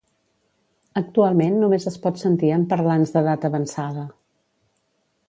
Actualment només es pot sentir en parlants d'edat avançada.